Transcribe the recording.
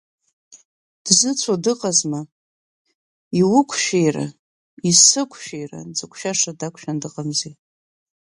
Дзыцәо дыҟазма, иуқәшәира, исықәшәира дзықәшәаша дақәшәаны дыҟамзи!